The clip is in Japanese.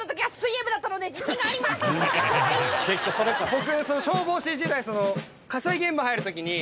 僕。